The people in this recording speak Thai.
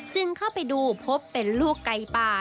จึงเข้าไปดูพบเป็นลูกไก่ป่า